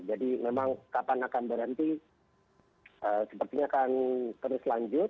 jadi memang kapan akan berhenti sepertinya akan terus lanjut